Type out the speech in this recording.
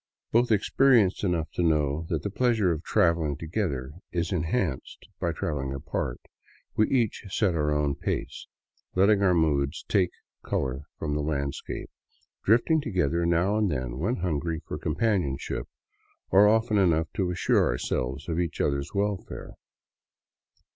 Both ex perienced enough to know that the pleasure of traveling together is enhanced by traveling apart, we each set our own pace, letting our moods take color from the landscape, drifting together now and then when hungry for companionship, or often enough to assure ourselves of each other's welfare.